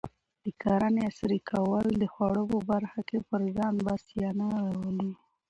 د کرنې عصري کول د خوړو په برخه کې پر ځان بسیاینه راولي.